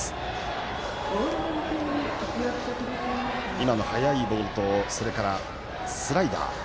今の速いボールとスライダー。